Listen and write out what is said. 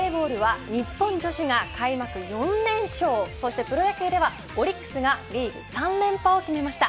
バレーボールは日本女子が開幕４連勝そしてプロ野球ではオリックスがリーグ３連覇を決めました。